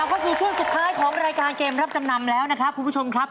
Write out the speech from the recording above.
เข้าสู่ช่วงสุดท้ายของรายการเกมรับจำนำแล้วนะครับคุณผู้ชมครับ